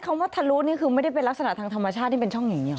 คำว่าทะลุนี่คือไม่ได้เป็นลักษณะทางธรรมชาติที่เป็นช่องอย่างนี้หรอ